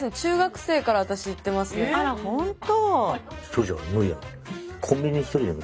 あら本当。